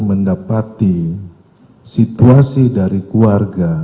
mendapati situasi dari keluarga